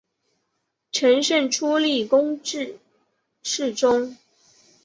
承圣初历官至侍中。